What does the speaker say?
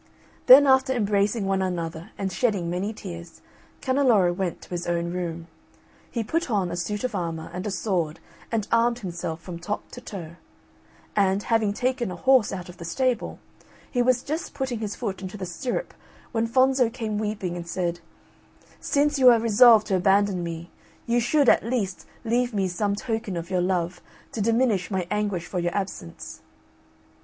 Then after embracing one another and shedding many tears, Canneloro went to his own room. He put on a suit of armour and a sword and armed himself from top to toe; and, having taken a horse out of the stable, he was just putting his foot into the stirrup when Fonzo came weeping and said, "Since you are resolved to abandon me, you should, at least, leave me some token of your love, to diminish my anguish for your absence."